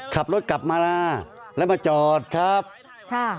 ขับรถกลับมาแล้วมาจอดครับค่ะ